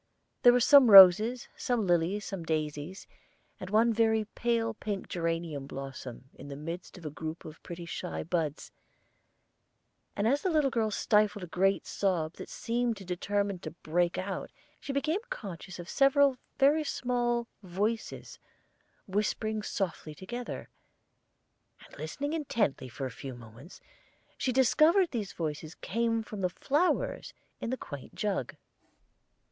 There were some roses, some lilies, some daisies, and one very pale pink geranium blossom in the midst of a group of pretty shy buds; and as the little girl stifled a great sob that seemed determined to break out, she became conscious of several very small voices whispering softly together; and listening intently for a few moments, she discovered these voices came from the flowers in the quaint jug.